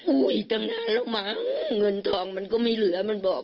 อุยก็ได้แล้วมั้งเงินทองมันก็ไม่เหลือมันบอก